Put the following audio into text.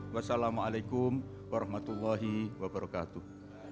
wassalamu'alaikum warahmatullahi wabarakatuh